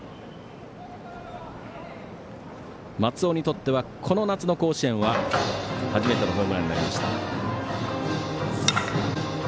松尾にとってはこの夏の甲子園は初めてのホームランになりました。